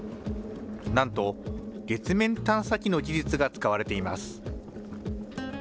なんと、月面探査機の技術が使われています。